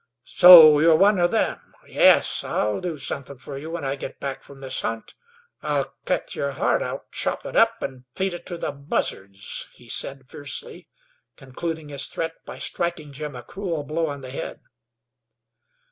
"So you're one of 'em? Yes, I'll do suthin' fer you when I git back from this hunt. I'll cut your heart out, chop it up, an' feed it to the buzzards," he said fiercely, concluding his threat by striking Jim a cruel blow on the head.